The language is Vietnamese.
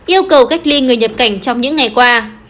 yêu cầu cách ly người nhập cảnh trong những ngày qua